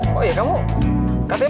layian banget apa ini